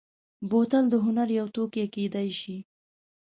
بوتل د هنر یو توکی کېدای شي.